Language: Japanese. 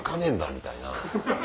みたいな。